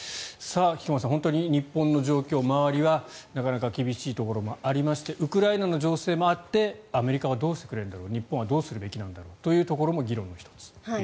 菊間さん、日本の状況周りはなかなか厳しいところもありましてウクライナの情勢もあってアメリカはどうしてくれるんだろう日本はどうすべきなんだろうというところも議論の１つと。